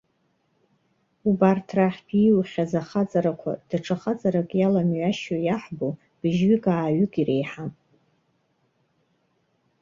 Убарҭ рахьтә ииухьаз ахаҵарақәа даҽа хаҵарак иаламҩашьо иаҳбо быжьҩык-ааҩык иреиҳам.